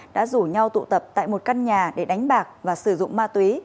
đã rủ nhau tụ tập tại một căn nhà để đánh bạc và sử dụng ma túy